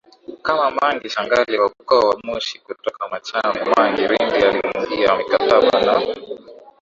kama Mangi Shangali wa ukoo wa Mushi kutoka Machame Mangi Rindi aliyeingia mikataba na